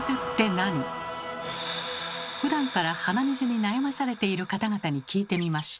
ふだんから鼻水に悩まされている方々に聞いてみました。